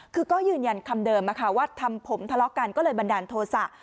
คือก็ยืนยันคำเดิมว่าทำผมทะเลาะกันก็เลยบันดาลโทษะ